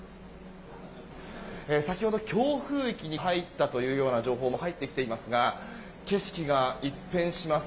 先ほど、強風域に入ったという情報も入ってきていますが景色が一変します。